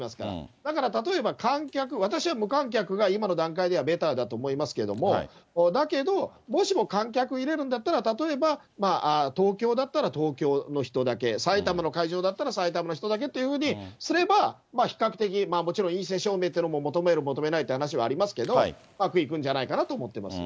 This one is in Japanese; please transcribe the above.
だから例えば観客、私は無観客が、今の段階ではベターだと思いますけれども、だけど、もしも観客入れるんだったら、例えば、東京だったら東京の人だけ、埼玉の会場だったら埼玉の人だけっていうふうにすれば、比較的もちろん陰性証明というのも求める、求めないって話はありますけど、うまくいくんじゃないかなって思ってます。